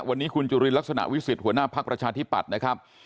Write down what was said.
วันนี้คุณจุลินลักษณะวิสิทธิหัวหน้าภักดิ์ประชาธิปัตย์นะครับ